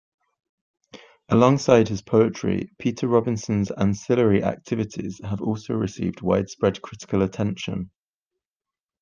Alongside his poetry, Peter Robinson's ancillary activities have also received widespread critical attention.